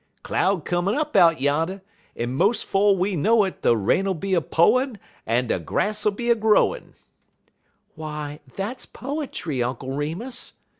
Cloud comin' up out yan, en mos' 'fo' we know it de rain 'll be a po'in' en de grass 'll be a growin'.'" "Why, that's poetry, Uncle Remus!"